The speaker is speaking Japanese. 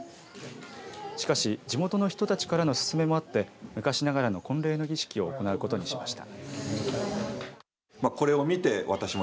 しかし地元の人たちからの勧めもあって昔ながらの婚礼の儀式を行うことにしました。